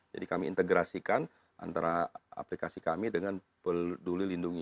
jadi kami integrasikan antara aplikasi kami dengan peduli lindungi